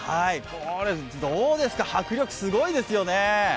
どうですか、迫力すごいですよね。